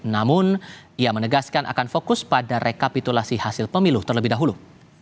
namun ia menegaskan akan fokus pada rekapitulasi hasil pemilu terlebih dahulu